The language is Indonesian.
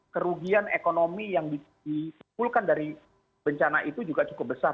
kerugian ekonomi yang ditimpulkan dari bencana itu juga cukup besar